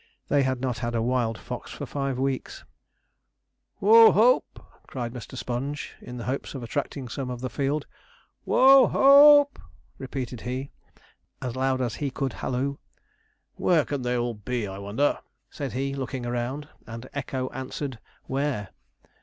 They had not had a wild fox for five weeks. 'Who hoop!' cried Mr. Sponge, in the hopes of attracting some of the field. 'WHO HOOP!' repeated he, as loud as he could halloo. 'Where can they all be, I wonder?' said he, looking around; and echo answered where?